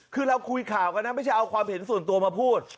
คือเราคุยข่าวกันนะไม่ใช่เอาความเห็นส่วนตัวมาพูด